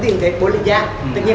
nhưng tuy theo sản phẩm